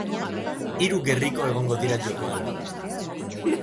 Hiru gerriko egongo dira jokoan.